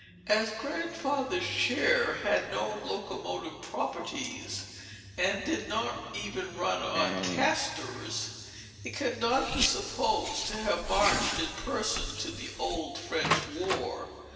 As Grandfather's chair had no locomotive properties, and did not even run on castors, it cannot be supposed to have marched in person to the Old French War.